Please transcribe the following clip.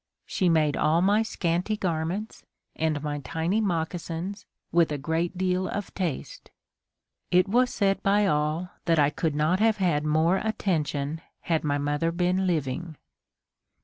She made all my scanty garments and my tiny moccasins with a great deal of taste. It was said by all that I could not have had more attention had my mother been living.